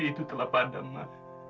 hati itu telah padam ma